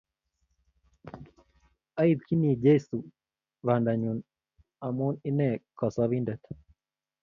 Aipchini Jesu banda nyun amu ine kosobindet